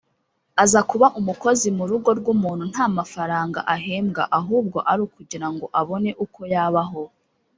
aza kuba umukozi mu rugo rw’umuntu nta mafaranga ahembwa ahubwo ari ukugira ngo abone uko yabaho